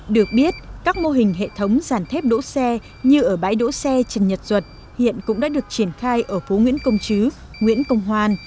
được biết các mô hình hệ thống giàn thép đỗ xe như ở bãi đỗ xe trần nhật duật hiện cũng đã được triển khai ở phố nguyễn công chứ nguyễn công hoan